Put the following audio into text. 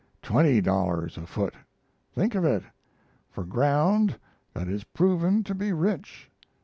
Twenty dollars a foot! Think of it! For ground that is proven to be rich.